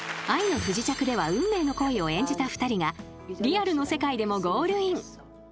［『愛の不時着』では運命の恋を演じた２人がリアルの世界でもゴールイン］